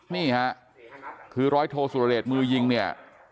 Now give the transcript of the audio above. นี่ฮะคือร้อยโทสุระเศรษฐ์มือยิงนี่